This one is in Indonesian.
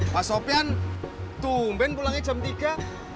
pak sofian tumben pulangnya jam tiga